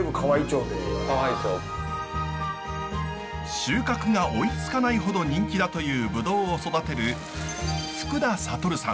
収穫が追いつかないほど人気だというブドウを育てる福田覚さん。